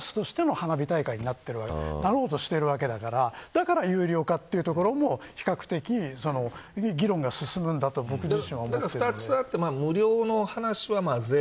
でも今はサーカスとしての花火大会になってるなろうとしているわけだからだから有料化というところも比較的議論が進むんだと思っていて。